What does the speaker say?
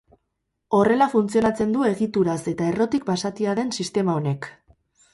Horrela funtzionatzen du egituraz eta errotik basatia den sistema honek.